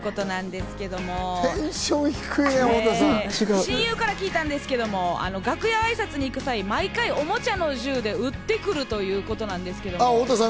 親友から聞いたんですけど楽屋あいさつに行く際、毎回おもちゃの銃で撃ってくるということなんです。